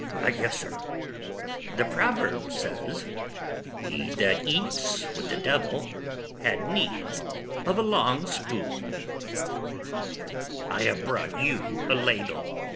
ITHAMORE. Yes, sir; the proverb says, he that eats with the devil had need of a long spoon; I have brought you a ladle.